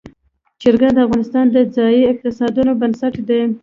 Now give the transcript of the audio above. چرګان د افغانستان د ځایي اقتصادونو بنسټ دی.